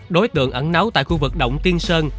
đối tượng ẩn nấu tại khu vực động tiên sơn